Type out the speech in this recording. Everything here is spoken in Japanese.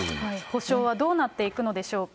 補償はどうなっていくのでしょうか。